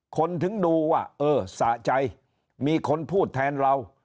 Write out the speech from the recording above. คนถึงดูว่าเออสะใจมีคนพูดแทนเรา